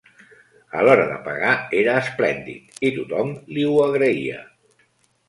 A l'hora de pagar era esplèndid i tothom li ho agraïa.